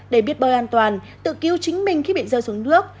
để biết bơi an toàn tự cứu chính mình khi bị rơi xuống nước